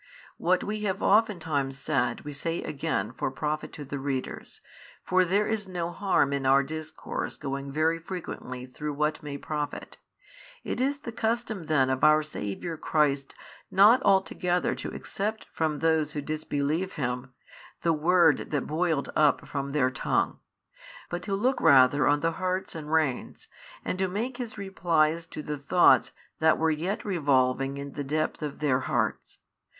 What we have oftentimes said we say again for profit to the readers: for there is no harm in our discourse going very frequently through what may profit. It is the custom then of our Saviour Christ not altogether to accept from those who disbelieve Him, the word that boiled up from their tongue, but to look rather on the hearts and reins, and to make His replies to the thoughts that were yet revolving in the depth of their hearts.